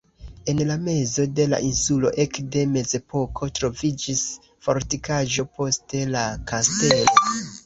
En la mezo de la insulo ekde mezepoko troviĝis fortikaĵo, poste la kastelo.